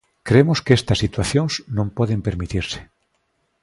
Cremos que estas situacións non poden permitirse.